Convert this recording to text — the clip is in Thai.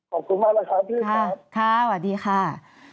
ขอบคุณมากครับพี่พราน